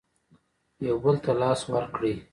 یو بل ته لاس ورکړئ